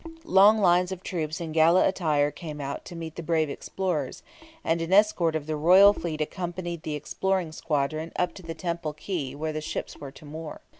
Long lines of troops in gala attire came out to meet the brave explorers, and an escort of the royal fleet accompanied the exploring squadron up to the temple quay where the ships were to moor.